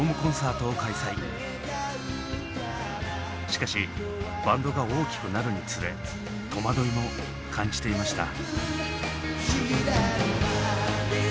しかしバンドが大きくなるにつれ戸惑いも感じていました。